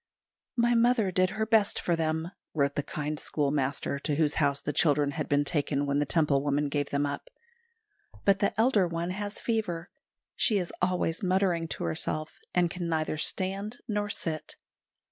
"My mother did her best for them," wrote the kind schoolmaster to whose house the children had been taken when the Temple woman gave them up; "but the elder one has fever. She is always muttering to herself, and can neither stand nor sit."